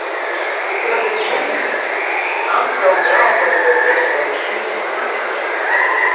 Sed dume ankaŭ gravaj problemoj sin anoncis.